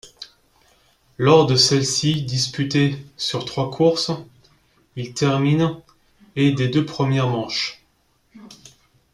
Lors de celles-ci disputées sur trois courses, il termine et des deux premières manches.